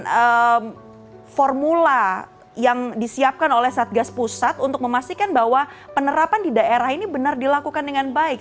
dengan formula yang disiapkan oleh satgas pusat untuk memastikan bahwa penerapan di daerah ini benar dilakukan dengan baik